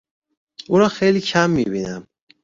او را خیلی کم میبینم.